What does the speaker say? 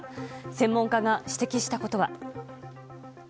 専門家が指摘したことは。